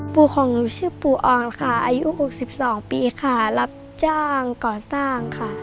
ปู่ของหนูชื่อปู่อ่อนค่ะอายุ๖๒ปีค่ะรับจ้างก่อสร้างค่ะ